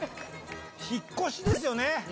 引っ越しですよね。